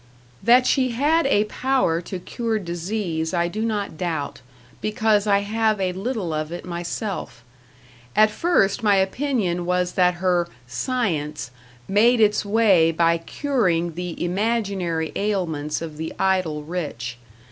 That she had a power to cure disease I do not doubt, because I have a little of it myself. At first my opinion was that her "Science" made its way by curing the imaginary ailments of the idle rich.